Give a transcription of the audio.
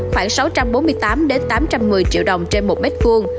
khoảng sáu trăm bốn mươi tám tám trăm một mươi triệu đồng trên một mét vuông